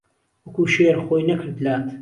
وهکوو شێر خۆی نهکرد لات